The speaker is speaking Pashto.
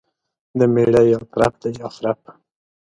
دميړه يا ترپ دى يا خرپ.